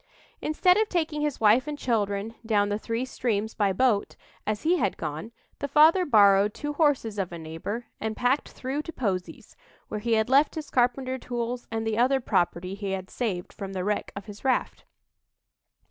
Instead of taking his wife and children down the three streams by boat, as he had gone, the father borrowed two horses of a neighbor and "packed through to Posey's," where he had left his carpenter tools and the other property he had saved from the wreck of his raft.